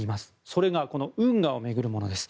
それが、運河を巡るものです。